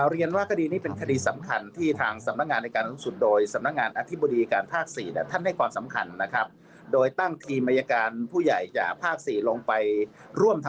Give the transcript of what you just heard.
เรียนว่ากิฎีนี้เป็นคดีสำคัญที่ทางสำนักงานรายการรู้สุร